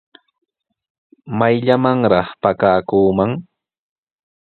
¿Mayllamanraq pakakuuman?